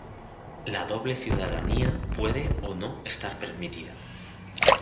La doble ciudadanía puede o no estar permitida.